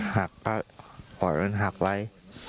หักก็ปล่อยมันหักไป